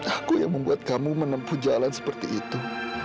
aku yang membuat kamu menempuh jalan seperti itu